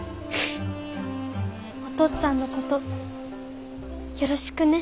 お父っつぁんのことよろしくね。